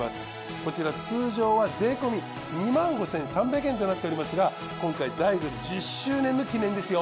こちら通常は税込２５，３００円となっておりますが今回ザイグル１０周年の記念ですよ。